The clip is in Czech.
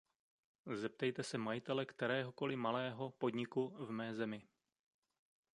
Zeptejte se majitele kteréhokoli malého podniku v mé zemi.